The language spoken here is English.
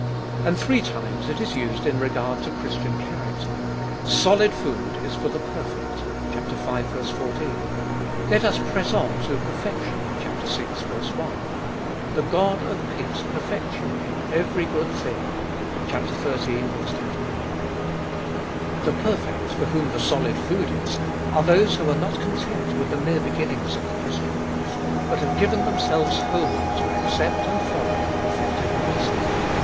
And three times it is used in regard to Christian character : Solid food is for the perfect (v. 14) ; Let us press on to perfection (vi. i) ; The God of peace perfect1 you in every good thing (xiii. 21). The perfect for whom the solid food is, are those who are not content with the mere beginnings of the Christian life, but have given themselves wholly to accept and follow the per fected Master.